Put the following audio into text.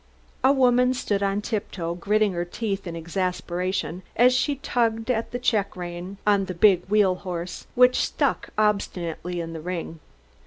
A woman stood on tip toe gritting her teeth in exasperation as she tugged at the check rein on the big wheelhorse, which stuck obstinately in the ring.